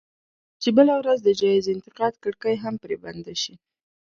چې بله ورځ د جايز انتقاد کړکۍ هم پرې بنده شي.